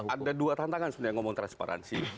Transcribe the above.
ada dua tantangan sebenarnya yang ngomong transparansi